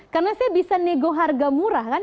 karena saya bisa nego harga murah kan